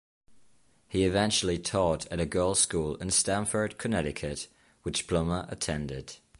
He eventually taught at a girls school in Stamford, Connecticut, which Plummer attended.